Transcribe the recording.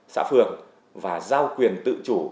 xã phường và giao quyền tự chủ